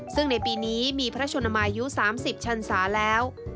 ซึ่งในปีนี้มีพระชนมายุ๓๐ชันศาแล้ว